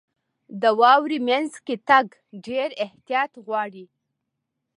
• د واورې مینځ کې تګ ډېر احتیاط غواړي.